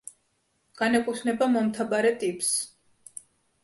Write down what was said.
განეკუთვნება მომთაბარე ტიპს.